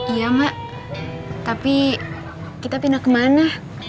iya mak tapi kita pindah kemana